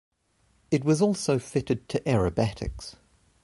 It was also fitted to aerobatics.